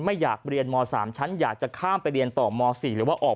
ไม่อยากเรียนม๓ชั้นอยากจะข้ามไปเรียนต่อม๔หรือว่าออก